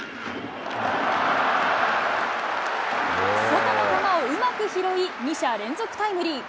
外の球をうまく拾い、２者連続タイムリー。